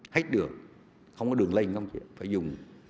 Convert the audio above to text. hết đường không có đường lây công trình phải dùng